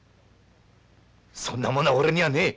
そんなものは俺にはねえ。